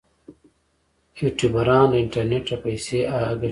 یوټیوبران له انټرنیټ پیسې ګټي